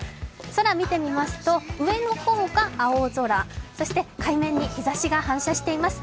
空を見てみますと上の方が青空、そして海面に日ざしが反射しています。